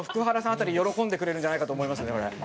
辺り喜んでくれるんじゃないかと思いますね。